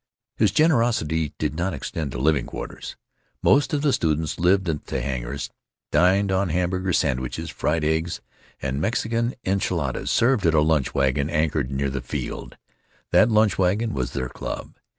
His generosity did not extend to living quarters. Most of the students lived at the hangars and dined on Hamburg sandwiches, fried eggs, and Mexican enchiladas, served at a lunch wagon anchored near the field. That lunch wagon was their club.